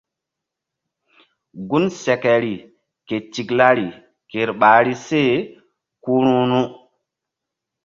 Gun sekeri ke tiklari ker ɓahri se ku ru̧ru̧.